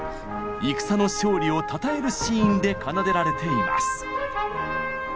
戦の勝利をたたえるシーンで奏でられています。